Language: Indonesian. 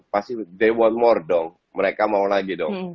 pasti mereka mau lagi dong